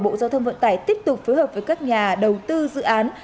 bộ giao thông vận tải tiếp tục phối hợp với các nhà đầu tư dự án